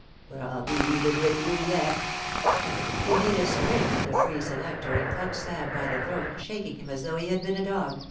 But Fll be even with you yet !' He made a spring at the free selector and clutched Sam by the throat, shaking him as though he had been a d(».